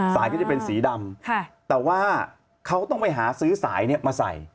ก็จะเป็นสีดำแต่ว่าเขาต้องไปหาซื้อสายเนี่ยมาใส่